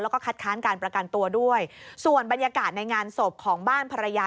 แล้วก็คัดค้านการประกันตัวด้วยส่วนบรรยากาศในงานศพของบ้านภรรยา